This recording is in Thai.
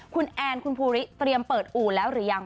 คุณแอนคุณภูริเตรียมเปิดอู่แล้วหรือยัง